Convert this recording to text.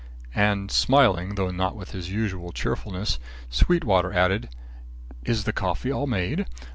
And smiling, though not with his usual cheerfulness, Sweetwater added, "Is the coffee all made?